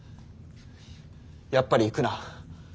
やっぱり行くな。